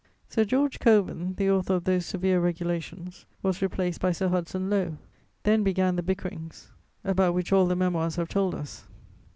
Sir George Cockburn, the author of those severe regulations, was replaced by Sir Hudson Lowe. Then began the bickerings about which all the Memoirs have told us.